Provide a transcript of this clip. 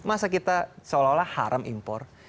masa kita seolah olah haram impor